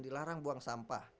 dilarang buang sampah